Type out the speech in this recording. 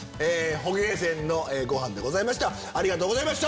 捕鯨舩のごはんでございました！